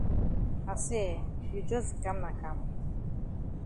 I say eh, you jus di kam na kam?